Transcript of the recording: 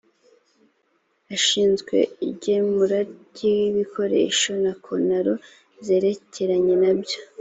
ashinzwe igemura ry ibikoresho na kontaro zerekeranye nabyo